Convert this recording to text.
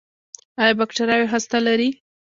ایا بکتریاوې هسته لري؟